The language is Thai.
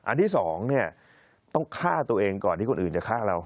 ที่สองเนี่ยต้องฆ่าตัวเองก่อนที่คนอื่นจะฆ่าเรา